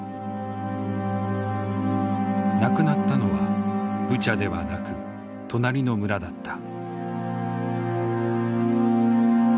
亡くなったのはブチャではなく隣の村だった。